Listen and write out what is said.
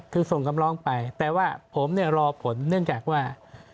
คือส่งคำร้องไปแต่ว่าผมเนี่ยรอผลเนื่องจากว่า